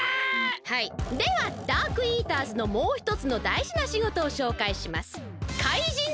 はいではダークイーターズのもうひとつのだいじなしごとをしょうかいします。